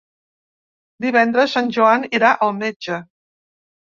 Divendres en Joan irà al metge.